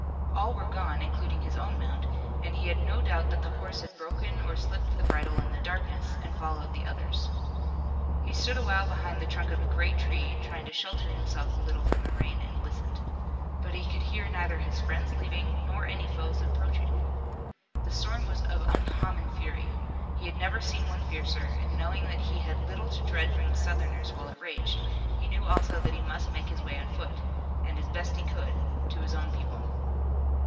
All were gone, including his own mount, and he had no doubt that the horse had broken or slipped the bridle in the darkness and followed the others. He stood a while behind the trunk of a great tree, trying to shelter himself a little from the rain, and listened. But he could hear neither his friends leaving nor any foes approaching. The storm was of uncommon fury. He had never seen one fiercer, and knowing that he had little to dread from the Southerners while it raged he knew also that he must make his way on foot, and as best he could, to his own people.